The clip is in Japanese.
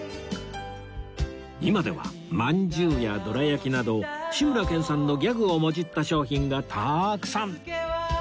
今では饅頭やどら焼きなど志村けんさんのギャグをもじった商品がたくさん！